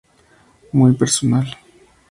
Muy personal.